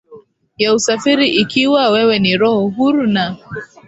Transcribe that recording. ya usafiri Ikiwa wewe ni roho huru na